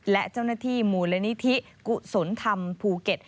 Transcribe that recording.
และเจ้าหน้าที่มูลนิธิกุศลธรรมภูเก็ต